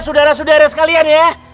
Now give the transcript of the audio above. saudara saudara sekalian ya